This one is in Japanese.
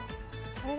あれ？